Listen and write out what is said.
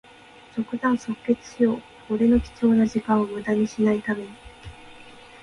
即断即決しよう。俺の貴重な時間をむだにしない為に。